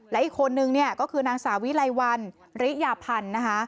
และอีกคนนึงเนี่ยก็คือนางสาวิไลวันริยาพันธ์นะคะ